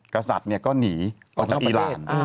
กษัตริย์ก็หนีออกจากอีราน